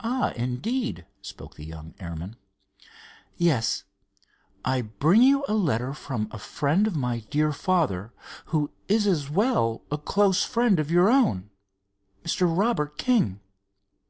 "Ah, indeed?" spoke the young airman. "Yes, I bring you a letter from a friend of my dear father, who is as well a close friend of your own—Mr. Robert King."